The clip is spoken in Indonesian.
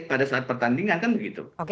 pada saat pertandingan kan begitu